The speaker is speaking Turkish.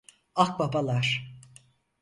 Akbabalar.